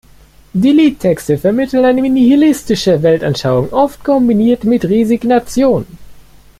Die Liedtexte vermitteln eine nihilistische Weltanschauung, oft kombiniert mit Resignation.